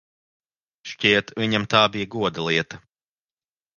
Šķiet, viņam tā bija goda lieta.